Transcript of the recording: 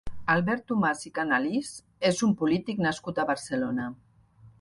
Albert Tomàs i Canalís és un polític nascut a Barcelona.